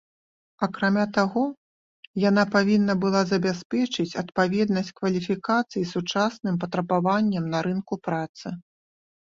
Акрамя таго, яна павінна была забяспечыць адпаведнасць кваліфікацый сучасным патрабаванням на рынку працы.